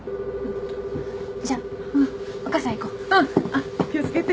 あっ気を付けて。